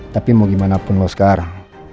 tapi mau gimana pun mau sekarang